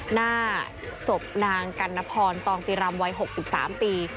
หน้าศพนางกัณฑรตองติรำวัย๖๓ปี